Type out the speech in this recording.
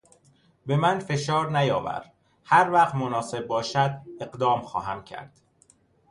بهمن فشار نیاور; هر وقت مناسب باشد اقدام خواهم کرد.